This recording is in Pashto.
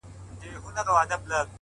شبنچي زړه چي پر گيا باندې راوښويدی!